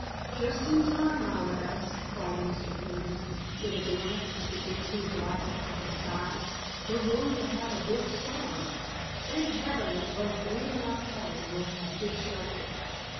"Just in time, my lads," cried Mr. Peniman with a glance at the angry blackness of the sky. "We're going to have a big storm. Thank heaven that both we and our cattle will have good shelter.